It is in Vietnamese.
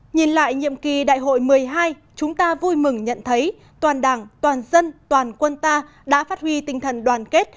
nhìn lại nhiệm kỳ đại hội một mươi hai chúng ta vui mừng nhận thấy toàn đảng toàn dân toàn quân ta đã phát huy tinh thần đoàn kết